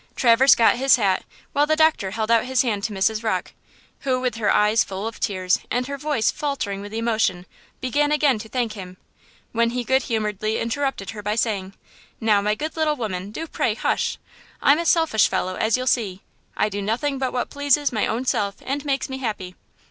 Traverse got his hat, while the doctor held out his hand to Mrs. Rocke, who, with her eyes full of tears and her voice faltering with emotion, began again to thank him, when he good humoredly interrupted her by saying: "Now my good little woman, do pray, hush. I'm a selfish fellow, as you'll see. I do nothing but what pleases my own self and makes me happy.